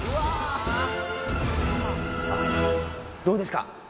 どうですか？